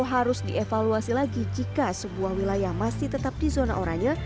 harus dievaluasi lagi jika sebuah wilayah masih tetap di zona oranye